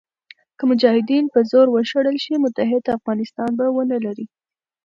که مجاهدین په زور وشړل شي متحد افغانستان به ونه لرئ.